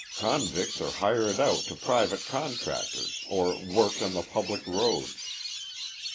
Convicts are hired out to private contractors or worked on the public roads.